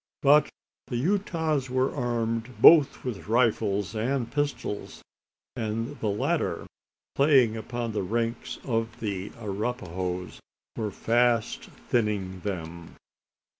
But the Utahs were armed both with rifles and pistols; and the latter, playing upon the ranks of the Arapahoes, were fast thinning them.